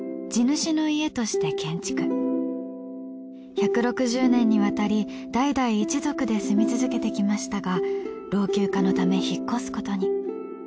１６０年にわたり代々一族で住み続けてきましたが老朽化のため引っ越すことに。